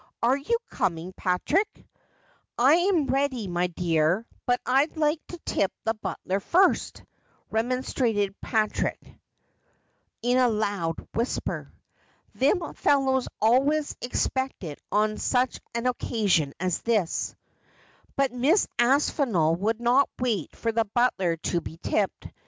' Are you coming, Patrick ?'' I am ready, my dear, but I'd like to tip the butler furrst,' remonstrated Patrick, in a loud whisper. ' Thim fellows always exj^ect it on such an occasion as this.' But Mrs. Aspinall would not wait for the butler to be tipped.